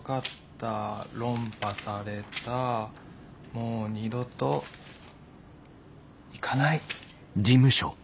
「もう二度と行かない」。